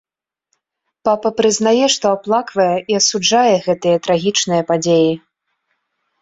Папа прызнае, што аплаквае і асуджае гэтыя трагічныя падзеі.